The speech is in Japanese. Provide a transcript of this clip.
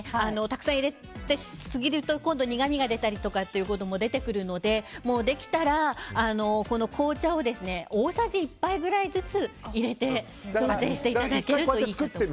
たくさん入れすぎると苦みが出たりということも出てくるのでできたら、紅茶を大さじ１杯ぐらいずつ入れて、いただけると。